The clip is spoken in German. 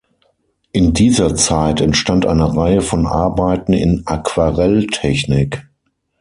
In dieser Zeit entstand eine Reihe von Arbeiten in Aquarelltechnik.